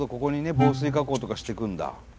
防水加工とかしてくんだ。